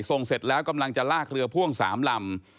เสร็จแล้วกำลังจะลากเรือพ่วง๓ลำ